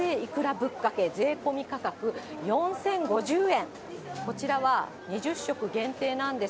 ぶっかけ税込み価格４０５０円。